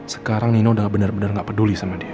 sekarang nino udah bener bener gak peduli sama dia